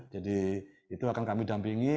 jadi itu akan kami dampingi